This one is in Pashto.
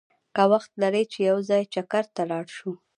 که وخت لرې چې یو ځای چکر ته لاړ شو!